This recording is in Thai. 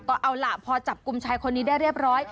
ก็เอาล่ะพอจับกลุ่มชายคนนี้ได้เรียบร้อย